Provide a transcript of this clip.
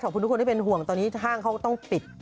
ขอบคุณทุกคนที่เป็นห่วงตอนนี้ห้างเขาก็ต้องปิด